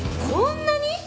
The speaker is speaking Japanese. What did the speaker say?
こんなに？